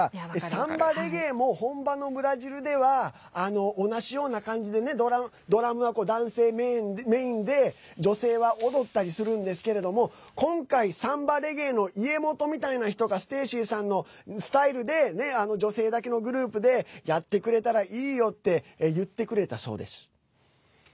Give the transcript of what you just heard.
サンバレゲエも本場のブラジルでは同じような感じでねドラムは男性メインで、女性は踊ったりするんですけれども今回、サンバレゲエの家元みたいな人がステイシーさんのスタイルで女性だけのグループでやってくれたらいいよって言ってくれたそうです。